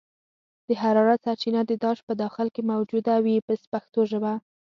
د حرارت سرچینه د داش په داخل کې موجوده وي په پښتو ژبه.